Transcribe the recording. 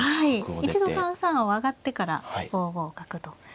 一度３三を上がってから５五角と。